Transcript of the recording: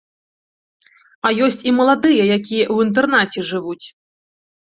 А ёсць і маладыя, якія ў інтэрнаце жывуць.